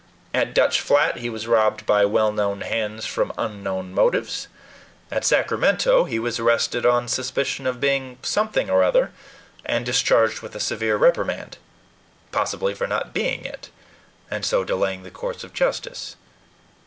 At Dutch Flat he was robbed by well known hands from unknown motives. At Sacramento he was arrested on suspicion of being something or other, and discharged with a severe reprimand possibly for not being it, and so delaying the course of justice.